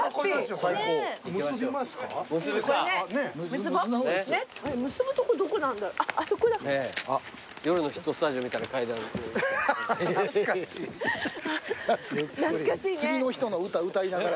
次の人の歌歌いながら。